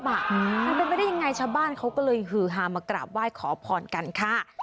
มันเป็นไปได้ยังไงชาวบ้านเขาก็เลยฮือฮามากราบไหว้ขอพรกันค่ะ